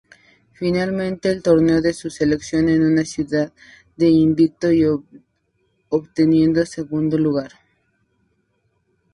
Finaliza el torneo con su selección en calidad de invicto y obteniendo segundo lugar.